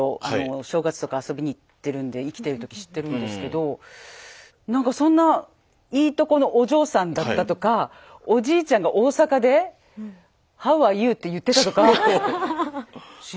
正月とか遊びに行ってるんで生きてる時知ってるんですけどなんかそんないいとこのお嬢さんだったとかおじいちゃんが大阪で「Ｈｏｗａｒｅｙｏｕ？」って言ってたとか知らなかったから。